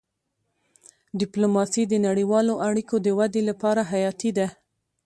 ډيپلوماسي د نړیوالو اړیکو د ودي لپاره حیاتي ده.